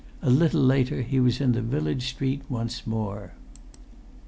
A little later he was in the village street once more.